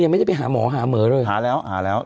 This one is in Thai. ยังไม่ได้ไปหาหมอหาเหมือเลย